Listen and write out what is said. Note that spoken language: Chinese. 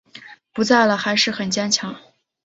不在了还是很坚强